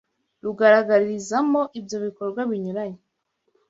rugaragarizamo ibyo bikorwa binyuranye